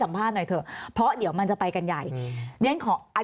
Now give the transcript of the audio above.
ทำไมรัฐต้องเอาเงินภาษีประชาชนไปจ้างกำลังผลมาโจมตีประชาชน